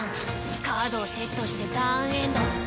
カードをセットしてターンエンド。